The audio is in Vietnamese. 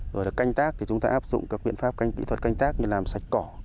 rồi là canh tác thì chúng ta áp dụng các biện pháp kỹ thuật canh tác như làm sạch cỏ